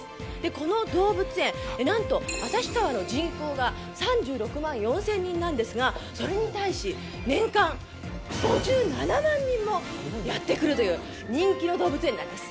この動物園、なんと旭川の人口が３６万４０００人なんですが、それに対し、年間５７万人もやって来るという人気の動物園なんです。